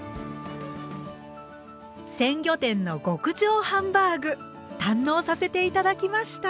鮮魚店の極上ハンバーグ堪能させて頂きました。